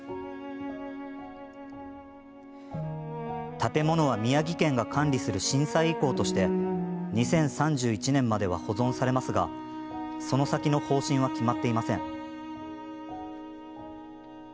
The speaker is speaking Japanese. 建物は宮城県が管理する震災遺構として２０３１年までは保存されますがその先の方針は決まっていません。